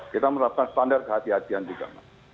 kita menerapkan standar kehatian juga mas